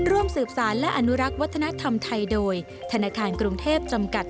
ร่วมสืบสารและอนุรักษ์วัฒนธรรมไทยโดยธนาคารกรุงเทพจำกัด